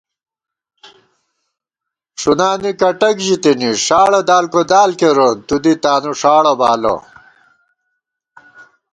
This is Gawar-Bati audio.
ݭُنانی کٹَک ژِتِنی ݭاڑہ دالکودال کېرون تُودی تانُوݭاڑہ بالہ